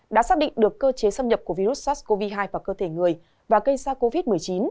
đã xác định được cơ chế xâm nhập của virus sars cov hai vào cơ thể người và gây ra covid một mươi chín